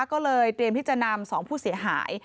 ก็เลยเตรียมที่จะนำ๒ผู้เสียหาย